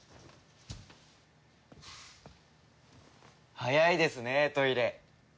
早いですねトイレ。